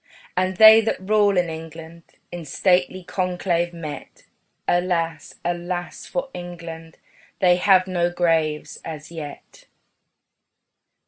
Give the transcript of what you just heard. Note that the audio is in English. And they that rule in England, In stately conclave met, Alas, alas for England They have no graves as yet.